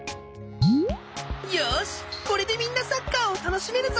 よしこれでみんなサッカーをたのしめるぞ。